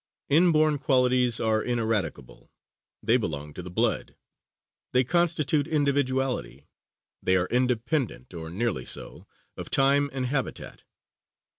Inborn qualities are ineradicable; they belong to the blood; they constitute individuality; they are independent, or nearly so, of time and habitat.